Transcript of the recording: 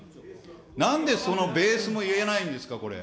なんでそのベースも言えないんですか、これ。